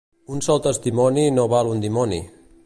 Un sol testimoni no val un dimoni.